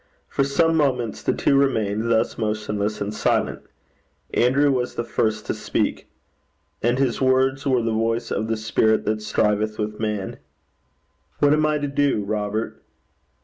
For some moments the two remained thus, motionless and silent. Andrew was the first to speak. And his words were the voice of the spirit that striveth with man. 'What am I to do, Robert?'